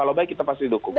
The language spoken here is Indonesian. kalau baik kita pasti dukung